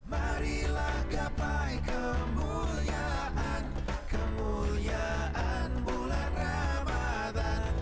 marilah gapai kemuliaan kemuliaan bulan ramadhan